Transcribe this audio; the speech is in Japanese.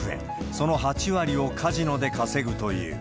その８割をカジノで稼ぐという。